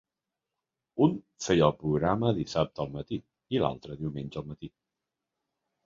Un feia el programa dissabte al matí, i l’altre diumenge al matí.